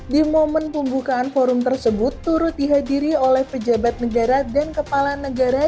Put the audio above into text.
di momen pembukaan forum tersebut turut dihadiri oleh pejabat negara dan kepala negara